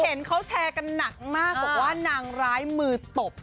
เห็นเขาแชร์กันหนักมากบอกว่านางร้ายมือตบ